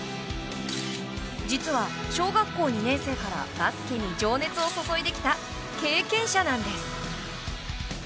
実は、小学校２年生からバスケに情熱を注いできた経験者なんです。